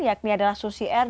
yakni adalah susi air